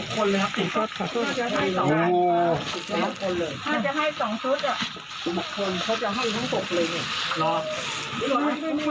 เขาจะให้ทั้งสองเลยเนี่ย